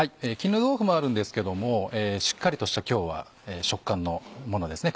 絹豆腐もあるんですけどもしっかりとした今日は食感のものですね。